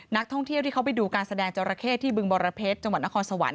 นักท่องเที่ยวที่เขาไปดูการแสดงจราเข้ที่บึงบรเพชรจังหวัดนครสวรรค